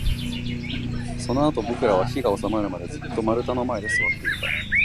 そのあと、僕らは火が収まるまで、ずっと丸太の前で座っていた